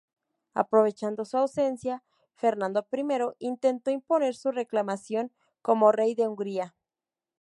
Aprovechando su ausencia, Fernando I intentó imponer su reclamación como rey de Hungría.